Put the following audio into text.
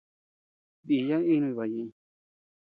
Díya inuñ baʼa ñeʼeñ.